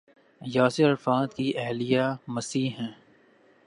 Yasir Arafat کی اہلیہ مسیحی ہیں۔